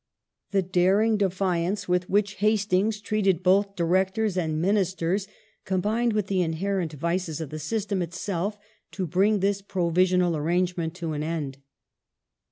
The daring defiance with which Hastings treated both Directors and Ministers combined with the inherent vices of the system itself to bring this provisional arrangement to an end.